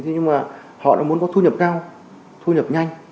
thế nhưng mà họ đã muốn có thu nhập cao thu nhập nhanh